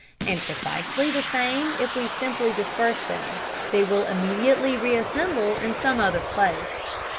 And precisely the same if we simply disperse them: they will immediately reassemble in some other place.